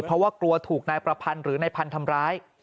เพราะว่ากลัวถูกนายประพันธ์หรือนายพันธุ์ทำร้าย